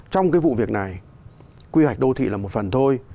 trong cái vụ việc này quy hoạch đô thị là một phần thôi